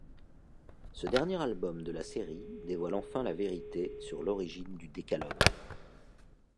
Ce dernier album de la série dévoile enfin la vérité sur l'origine du décalogue.